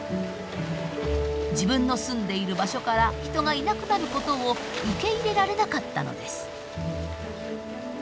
自分の住んでいる場所から人がいなくなることを受け入れられなかったのです。